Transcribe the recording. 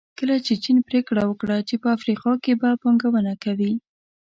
کله چې چین پریکړه وکړه چې په افریقا کې به پانګونه کوي.